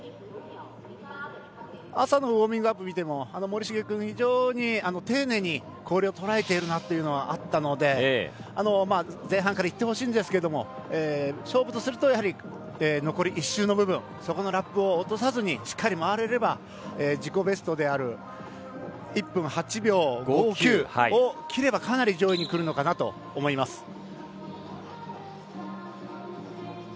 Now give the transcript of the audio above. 朝のウォーミングアップを見ても森重君丁寧に氷を捉えているなというのはあったので前半からいってほしいんですけど勝負とするとやはり残り１周の部分でラップを落とさずにしっかり回れれば自己ベストである１分８秒５９を切ればかなり上位にくるのかなと思います。